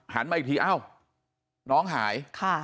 มาอีกทีเอ้าน้องหาย